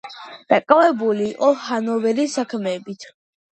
დაკავებული იყო ჰანოვერის საქმეებით.